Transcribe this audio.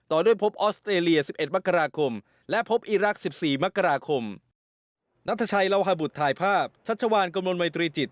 ต่อด้วยพบออสเตรเลีย๑๑มกราคมและพบอิรักษ์๑๔มกราคม